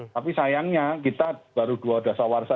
tapi sayangnya kita baru dua dasar warsa